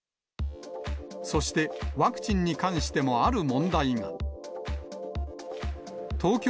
そして、ワクチンに関してもある問題が。